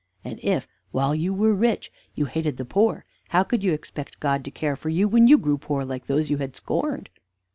And if, while you were rich, you hated the poor, how could you expect God to care for you when you grew poor, like those you had scorned?"